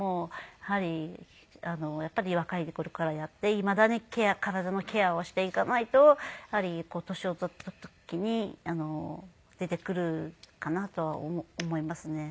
やはり若い頃からやっていまだに体のケアをしていかないとやはり年を取った時に出てくるかなとは思いますね。